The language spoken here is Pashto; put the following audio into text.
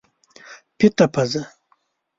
پیته پزه